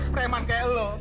preman kayak lo